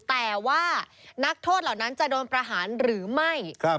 แต่ว่านักโทษเหล่านั้นจะโดนประหารหรือไม่